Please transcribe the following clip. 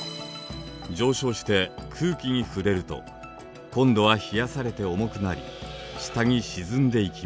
上昇して空気に触れると今度は冷やされて重くなり下に沈んでいきます。